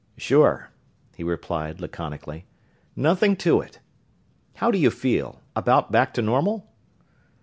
"Sure," he replied, laconically. "Nothing to it. How do you feel about back to normal?"